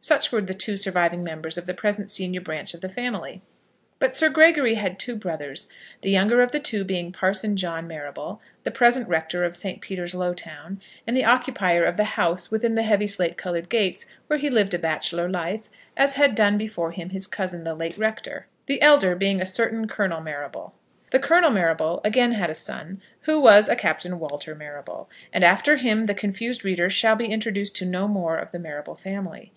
Such were the two surviving members of the present senior branch of the family. But Sir Gregory had two brothers, the younger of the two being Parson John Marrable, the present rector of St. Peter's Lowtown and the occupier of the house within the heavy slate coloured gates, where he lived a bachelor life, as had done before him his cousin the late rector; the elder being a certain Colonel Marrable. The Colonel Marrable again had a son, who was a Captain Walter Marrable, and after him the confused reader shall be introduced to no more of the Marrable family.